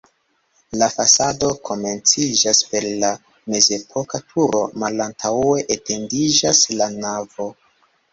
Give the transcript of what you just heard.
La fasado komenciĝas per la mezepoka turo, malantaŭe etendiĝas la navo.